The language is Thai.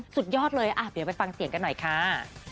สุดยอดเลยเดี๋ยวไปฟังเสียงกันหน่อยค่ะ